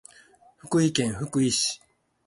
福井県福井市